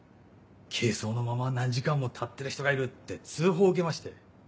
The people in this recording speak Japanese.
軽装のまま何時間も立ってる人がいるって通報を受けまして。